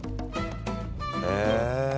へえ。